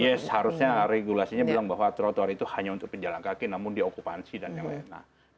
yes seharusnya regulasinya bilang bahwa trotoar itu hanya untuk pejalan kaki namun diokupansi dan yang lain